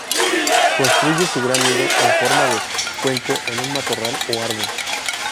Construye su gran nido en forma de cuenco en un matorral o árbol.